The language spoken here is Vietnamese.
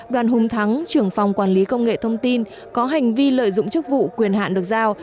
đoàn hùng thắng trưởng phòng quản lý công nghệ thông tin có hành vi lợi dụng chức vụ quyền hạn được giao